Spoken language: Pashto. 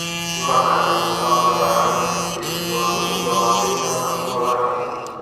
ځمکه د افغانستان د فرهنګي فستیوالونو یوه ډېره مهمه برخه ده.